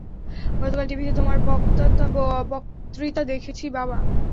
গতকাল টিভিতে তোমার বক্ততা দেখেছি, বাবা।